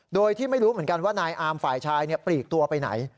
โดยที่ไม่รู้เหมือนกันว่านายอามฝ่ายชายปลีกตัวไปไหน